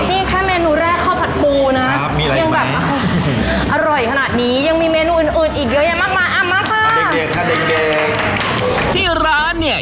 นี่แค่เมนูแรกข้อผัดปูนะครับมีอะไรอีกไหมยังแบบอร่อยขนาดนี้